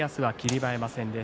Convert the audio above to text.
馬山戦です。